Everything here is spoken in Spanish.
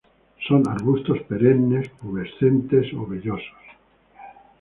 Son arbustos perennes pubescentes o vellosos.